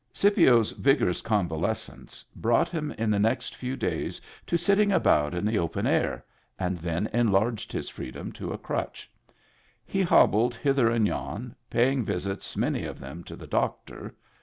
Scipio's vigorous convalescence brought him in the next few days to sitting about in the open air, and then enlarged his freedom to a crutch. He hobbled hither and yon, paying visits, many of them to the doctor.